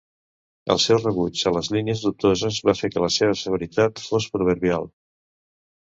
El seu rebuig a les línies dubtoses va fer que la seva severitat fos proverbial.